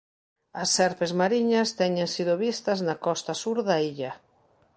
As serpes mariñas teñen sido vistas na costa sur da illa.